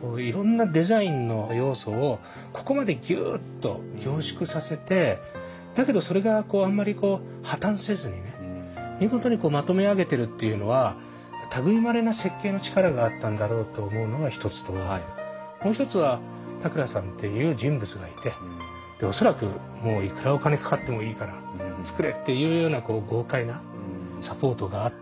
こういろんなデザインの要素をここまでギュッと凝縮させてだけどそれがあんまり破綻せずにね見事にまとめ上げてるっていうのは類いまれな設計の力があったんだろうと思うのが一つともう一つは田倉さんっていう人物がいてで恐らくもういくらお金かかってもいいから作れっていうようなこう豪快なサポートがあって。